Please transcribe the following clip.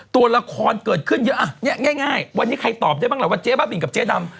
ตัวละครเกิดขึ้นเยอะอ่ะเนี่ยง่ายวันนี้ใครตอบได้บ้างล่ะว่าเจ๊บ้าบินกับเจ๊ดำ